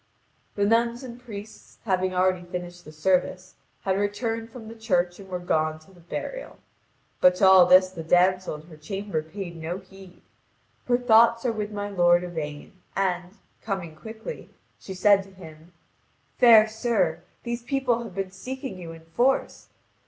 The nuns and priests, having already finished the service, had returned from the church and were gone to the burial. But to all this the damsel in her chamber paid no heed. Her thoughts are with my lord Yvain, and, coming quickly, she said to him: "Fair sir, these people have been seeking you in force.